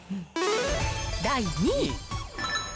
第２位。